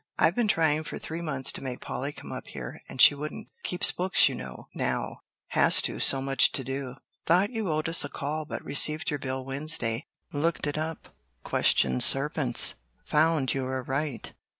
I've been trying for three months to make Polly come up here and she wouldn't. Keeps books, you know now. Has to so much to do. Thought you owed us a call, but received your bill Wednesday looked it up questioned servants found you were right."